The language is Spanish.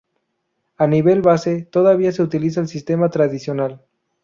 A nivel base, todavía se utiliza el sistema tradicional.